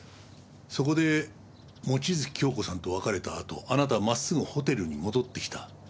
そこで望月京子さんと別れたあとあなたは真っすぐホテルに戻ってきた。